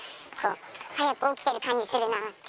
早く起きてる感じするなって。